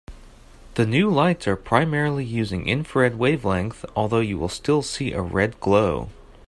The new lights are primarily using infrared wavelength, although you will still see a red glow.